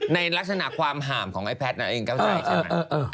ในลักษณะความห่ามของไอ้แพทย์นั้นเองเข้าใจใช่ไหม